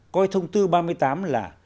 coi thông tư ba mươi tám là